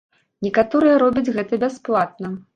Некаторыя робяць гэта бясплатна.